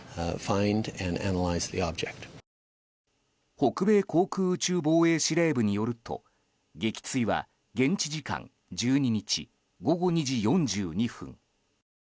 北米航空宇宙防衛司令部によると撃墜は現地時間１２日午後２時４２分。